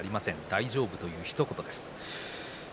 大丈夫という、ひと言です。